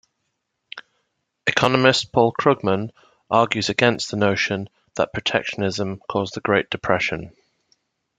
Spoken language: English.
Economist Paul Krugman argues against the notion that protectionism caused the Great Depression.